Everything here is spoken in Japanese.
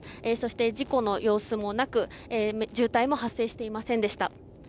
そして、事故の様子もなく渋滞も発生していませんでした。